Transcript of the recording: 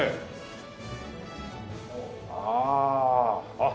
あっ。